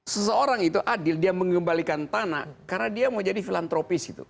seseorang itu adil dia mengembalikan tanah karena dia mau jadi filantropis gitu